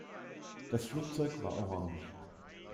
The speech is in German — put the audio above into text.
Das Flugzeug war orange.